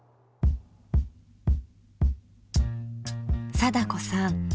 貞子さん